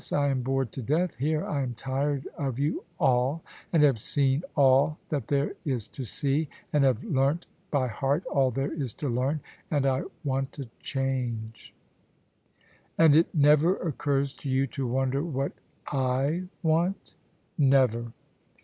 I am bored to death here : I am tired of you all, and have seen all that there is to see, and have learnt by heart all there is to learn : and I want a change." OF ISABEL CARNABY " And It never ocxurs to you to wonder what / want? "" Never."